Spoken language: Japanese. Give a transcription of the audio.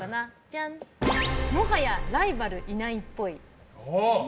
もはやライバルいないっぽい。